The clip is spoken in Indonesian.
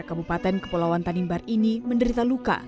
kabupaten kepulauan tanimbar ini menderita luka